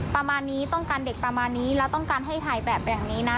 ประมาณนี้ต้องการเด็กประมาณนี้แล้วต้องการให้ถ่ายแบบแบบนี้นะ